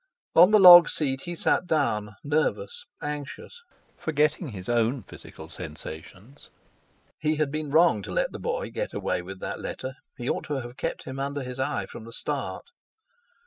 On the log seat he sat down, nervous, anxious, forgetting his own physical sensations. He had been wrong to let the boy get away with that letter; he ought to have kept him under his eye from the start!